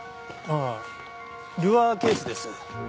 ああルアーケースです。